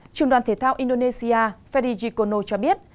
trường đoàn thể thao indonesia ferry g kono cho biết